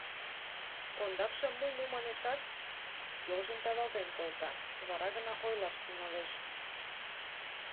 Ондакшым му-му манешат, йолжым тавалтен колта, вара гына ойлаш тӱҥалеш.